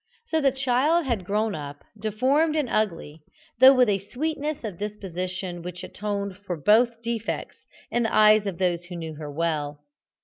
So the child had grown up, deformed and ugly, though with a sweetness of disposition which atoned for both defects in the eyes of those who knew her well.